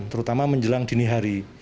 terutama menjelang dini hari